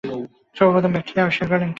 সর্বপ্রথম ব্যাকটেরিয়া আবিষ্কার করেন কে?